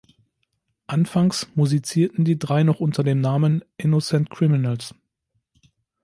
Anfangs musizierten die drei noch unter dem Namen „Innocent Criminals“.